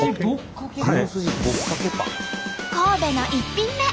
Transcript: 神戸の１品目！